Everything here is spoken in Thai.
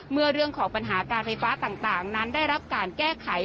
เรื่องของปัญหาการไฟฟ้าต่างนั้นได้รับการแก้ไข